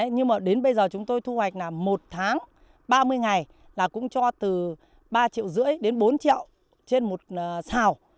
nhưng mà đến bây giờ chúng tôi thu hoạch là một tháng ba mươi ngày là cũng cho từ ba triệu rưỡi đến bốn triệu trên một xào